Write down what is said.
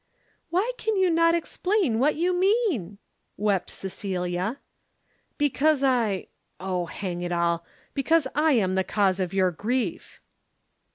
"Why can you not explain what you mean?" wept Cecilia. "Because I oh, hang it all because I am the cause of your grief."